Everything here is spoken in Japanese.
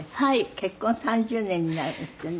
結婚３０年になるんですってね。